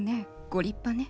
ご立派ね。